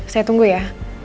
saya tunggu ya